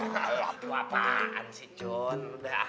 walaupun apaan sih cun